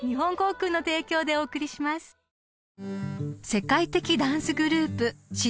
［世界的ダンスグループｓ＊＊